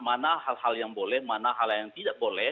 mana hal hal yang boleh mana hal hal yang tidak boleh diakses oleh anak